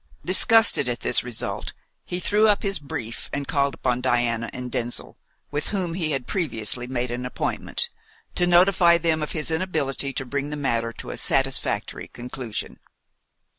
Disgusted at this result, he threw up his brief, and called upon Diana and Denzil, with whom he had previously made an appointment, to notify them of his inability to bring the matter to a satisfactory conclusion.